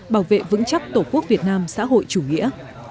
bảo vệ vững chắc tổ quốc việt nam xã hội chủ nghĩa